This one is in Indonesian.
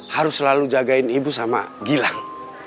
harus selalu jagain ibu sama gilang